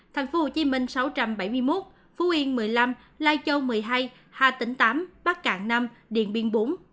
tp hcm sáu trăm bảy mươi một phú yên một mươi năm lai châu một mươi hai hà tĩnh tám bắc cạn năm điện biên bốn